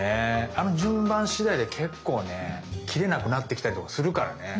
あの順番しだいで結構ね切れなくなってきたりとかするからね。